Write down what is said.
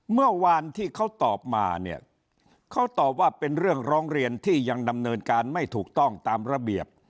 เมื่อวานที่เขาตอบมาเนี่ยเขาตอบว่าเป็นเรื่องร้องเรียนที่ยังดำเนินการไม่ถูกต้องตามระเบียบ